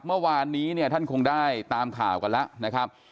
เมื่อวานนี้เนี่ยท่านคงได้ตามข่าวกันแล้วนะครับ